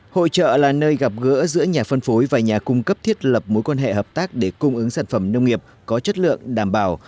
hội trợ là nơi gặp gỡ giữa nhà phân phối và nhà cung cấp thiết lập mối quan hệ hợp tác để cung ứng sản phẩm nông nghiệp có chất lượng đảm bảo